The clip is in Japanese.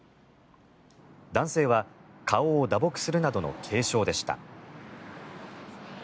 男性は顔を打撲するなどの軽傷でした。